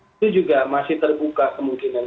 itu juga masih terbuka kemungkinan